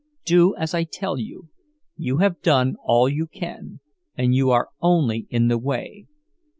Do as I tell you—you have done all you can, and you are only in the way.